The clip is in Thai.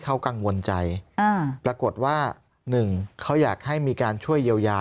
เขากังวลใจอ่าปรากฏว่าหนึ่งเขาอยากให้มีการช่วยเยียวยา